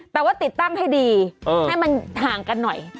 แต่ว่าติดตั้งให้ดีให้มันห่างกันหน่อย